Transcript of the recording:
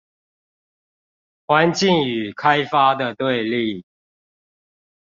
環境與開發的對立